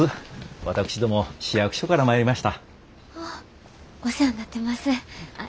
私ども市役所から参りました。